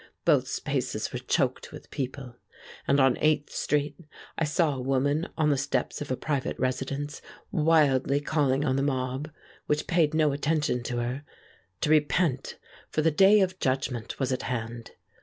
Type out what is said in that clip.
Both spaces were choked with people, and on Eighth Street I saw a woman on the steps of a private residence, wildly calling on the mob, which paid no attention to her, to repent, for the day of judgment was at hand.